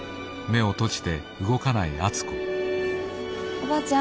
おばあちゃん。